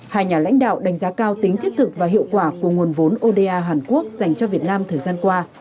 hai nhà lãnh đạo đánh giá cao tính thiết thực và hiệu quả của nguồn vốn oda hàn quốc dành cho việt nam thời gian qua